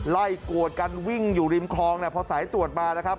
กวดกันวิ่งอยู่ริมคลองเนี่ยพอสายตรวจมานะครับ